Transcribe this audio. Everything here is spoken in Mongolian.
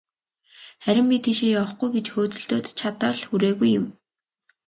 Харин би тийшээ явахгүй гэж хөөцөлдөөд, чадал хүрээгүй юм.